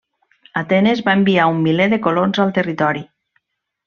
Atenes va enviar un milè de colons al territori.